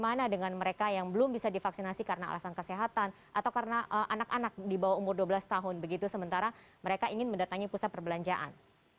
bagaimana dengan mereka yang belum bisa divaksinasi karena alasan kesehatan atau karena anak anak di bawah umur dua belas tahun begitu sementara mereka ingin mendatangi pusat perbelanjaan